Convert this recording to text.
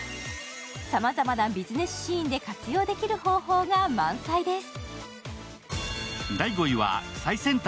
さまざまなビジネスシーンで活用できる方法が満載です。